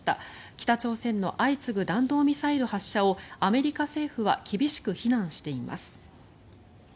北朝鮮の相次ぐ弾道ミサイル発射をアメリカ政府は厳しく非難しています。